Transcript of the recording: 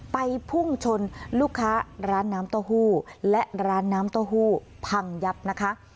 พุ่งชนลูกค้าร้านน้ำเต้าหู้และร้านน้ำเต้าหู้พังยับนะคะ